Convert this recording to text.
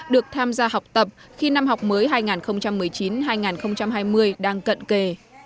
được tham gia học tập khi năm học mới hai nghìn một mươi chín hai nghìn hai mươi đang cận kề